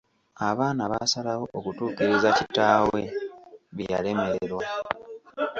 Abaana baasalawo okutuukiriza kitaawe bye yalemererwa.